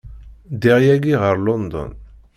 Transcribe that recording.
Ddiɣ yagi ɣer London.